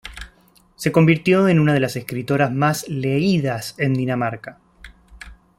Se convirtió en una de las escritoras más leídas en Dinamarca.